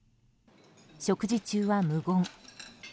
食事中は無言。